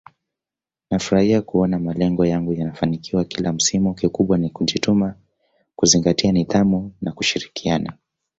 Nafurahi kuona malengo yangu yanafanikiwa kila msimu kikubwa ni kujituma kuzingatia nidhamu na kushirikiana